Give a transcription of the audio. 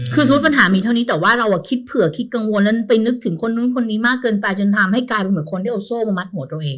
คือสมมุติปัญหามีเท่านี้แต่ว่าเราคิดเผื่อคิดกังวลแล้วไปนึกถึงคนนู้นคนนี้มากเกินไปจนทำให้กลายเป็นเหมือนคนที่เอาโซ่มามัดหัวตัวเอง